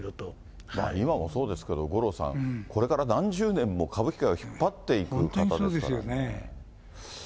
今もそうですけど、五郎さん、これから何十年も歌舞伎界を引っ張っていく方だった。